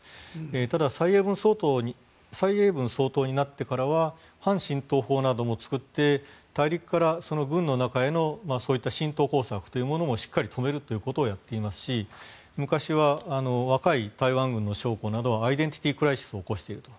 ただ、蔡英文総統になってからは法律を作って大陸から軍の中への浸透工作というものをしっかり止めるということをやっていますし昔は若い台湾軍の将校などはアイデンティティークライシスを起こしていると。